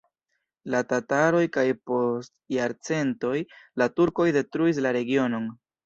La tataroj kaj post jarcentoj la turkoj detruis la regionon.